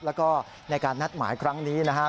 แล้วก็ในการนัดหมายครั้งนี้นะครับ